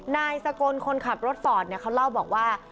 นายสกลคนขับรถฝอดเขาเล่าบอกว่า